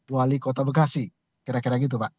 wali kota bekasi kira kira gitu pak